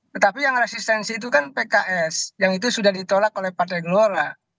tetapi yang resistensi itu kan pks yang itu sudah ditolak oleh partai gelora